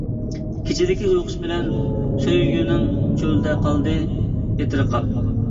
كېچىدىكى ئۇيقۇسى بىلەن، سۆيگۈنىڭ چۆلدە قالدى يېتىرقاپ.